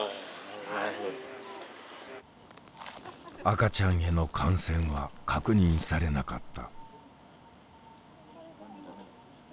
赤ちゃんへの感染は確認されなかった。